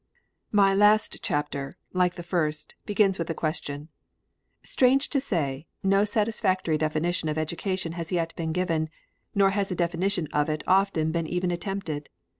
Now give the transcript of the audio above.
My last chapter, like the first, begins with a question. Strange to say, no satisfactory definition of education has yet been given, nor has a definition of it often been even attempted.